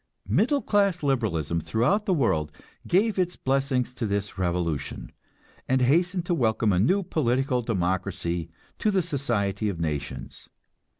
Middle class liberalism throughout the world gave its blessings to this revolution, and hastened to welcome a new political democracy to the society of nations.